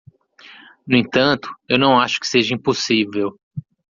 No entanto? eu não acho que seja impossível.